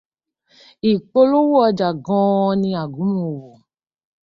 Ìpolówó ọjà gan-an ni àgúmu òwò.